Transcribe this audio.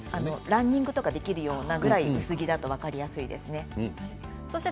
ランニングとかやるぐらい薄着と分かりやすいですね。